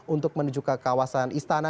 untuk menuju ke kawasan istana